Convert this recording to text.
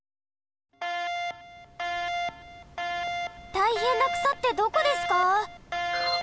たいへんな草ってどこですか？